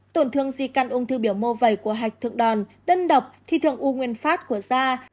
tổn thương di căn ung thư biểu mô vẩy của hạch thượng đòn đơn độc thì thường u nguyên phát của da